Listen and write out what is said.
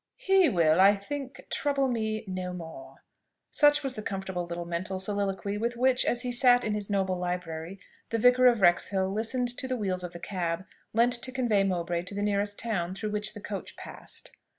"He will, I think, trouble me no more:" such was the comfortable little mental soliloquy with which, as he sat in his noble library, the Vicar of Wrexhill listened to the wheels of the cab, lent to convey Mowbray to the nearest town through which the coach passed.